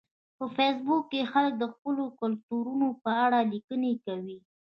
په فېسبوک کې خلک د خپلو کلتورونو په اړه لیکنې کوي